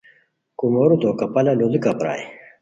کومورو تو کپالہ لوڑیکہ پرائے